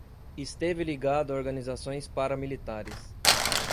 Esteve ligado a organizações paramilitares